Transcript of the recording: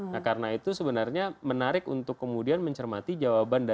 nah karena itu sebenarnya menarik untuk kemudian mencermati jawaban